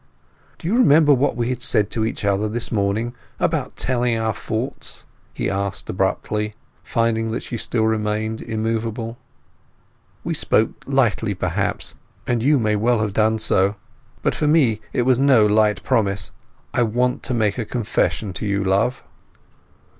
"Do you remember what we said to each other this morning about telling our faults?" he asked abruptly, finding that she still remained immovable. "We spoke lightly perhaps, and you may well have done so. But for me it was no light promise. I want to make a confession to you, Love."